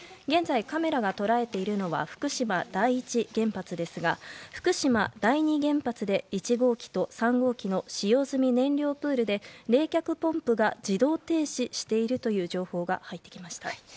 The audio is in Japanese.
現在、カメラが捉えているのは福島第一原発ですが福島第二原発で１号機と３号機の使用済み燃料プールで冷却ポンプが自動停止しているという情報が入ってきました。